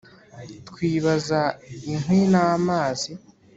twibaza inkwi n’amazi